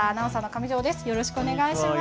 よろしくお願いします。